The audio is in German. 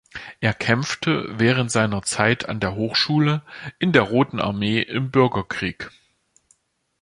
Er kämpfte während seiner Zeit an der Hochschule in der Roten Armee im Bürgerkrieg.